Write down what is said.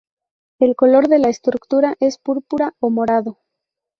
El color de la estructura es púrpura o morado.